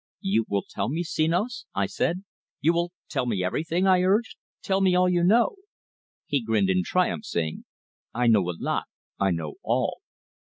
"You will tell me, Senos?" I said. "You will tell me everything?" I urged. "Tell me all that you know!" He grinned in triumph, saying: "I know a lot I know all.